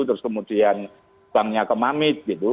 terus kemudian bangnya ke mamit